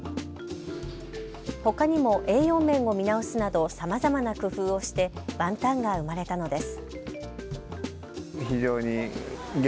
ほかにも栄養面を見直すなどさまざまな工夫をしてワンタンが生まれたのです。